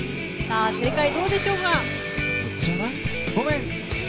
正解どうでしょうか？